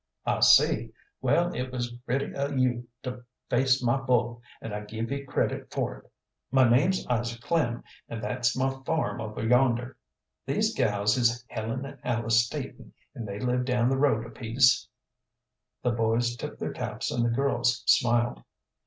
"I see. Well, it was gritty o' you to face my bull, and I give ye credit for it. My name's Isaac Klem, and thet's my farm over yonder. These gals is Helen and Alice Staton, and they live down the road a piece." The boys tipped their caps and the girls smiled.